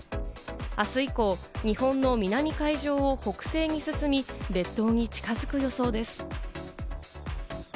あす以降、日本の南海上を北西に進み、列島に近づく予想です。